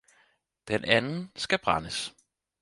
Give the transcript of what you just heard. Den anden skal brændes!